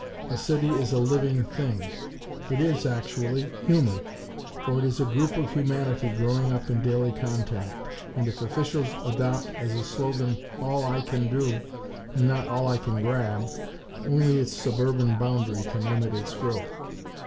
A city is a living thing! It is, actually, human; for it is a group of humanity growing up in daily contact; and if officials adopt as a slogan, "all I can do," and not "all I can grab," only its suburban boundary can limit its growth.